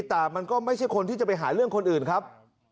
แต่มันก็ไม่ใช่คนที่จะไปหาเรื่องคนอื่นครับ